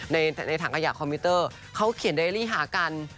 ในถังอาหยากคอมพิวเตอร์เขาเขียนไดรีหากัน